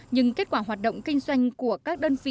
nhưng kết quả hoạt động kinh doanh của các đơn vị